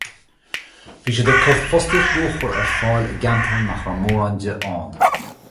Bhí siad ag cur fostaíocht luachmhar ar fáil i gceantar nach raibh mórán de ann.